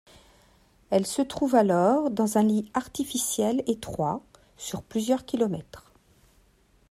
Elle se trouve alors dans un lit artificiel étroit sur plusieurs kilomètres.